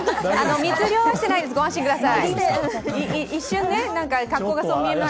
密猟はしてないです、ご安心ください。